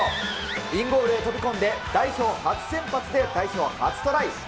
インゴールへ飛び込んで、代表初先発で代表初トライ。